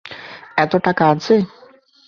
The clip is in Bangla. এত টাকা আছে?